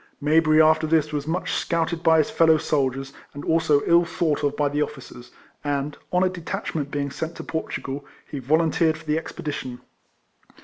Mayberry after this was much scouted by his fellow soldiers, and also ill thought of by the officers ; and, on a detachment being sent to Portugal, he volunteered for the ex pedition.